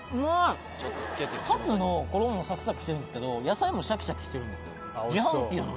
カツの衣もサクサクしてるんですけど野菜もシャキシャキしてるんです。